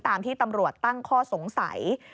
ตามที่ตำรวจตั้งข้อสงสัย